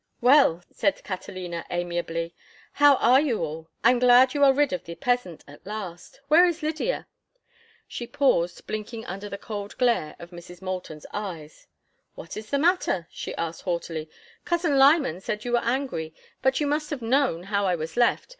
"Well," said Catalina, amiably, "how are you all? I am glad you are rid of the peasant at last. Where is Lydia?" She paused, blinking under the cold glare of Mrs. Moulton's eyes. "What is the matter?" she asked, haughtily. "Cousin Lyman said you were angry, but you must have known how I was left.